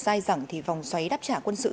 sai rằng thì vòng xoáy đáp trả quân sự